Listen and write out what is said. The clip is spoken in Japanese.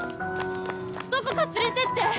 どこか連れてって！